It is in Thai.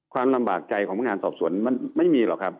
ความลำบากใจของพนักงานสอบสวนมันไม่มีหรอกครับ